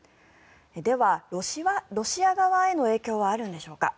ではロシア側への影響はあるんでしょうか。